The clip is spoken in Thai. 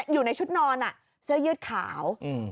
อยู่ในชุดนอนเสื้อยืดขาว